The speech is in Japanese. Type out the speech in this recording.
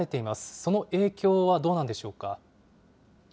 その影響はどうなんでしょうか。